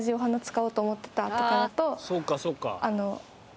そうかそっか。